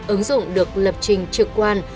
ứng dụng được lập trình trực quan